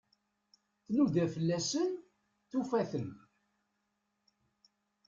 Tnuda fell-asen, tufa-ten.